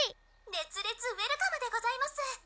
「熱烈ウエルカムでございます」